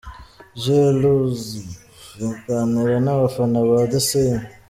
Jay Luv aganira n'abafana ba The Same.